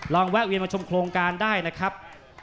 แวะเวียนมาชมโครงการได้นะครับ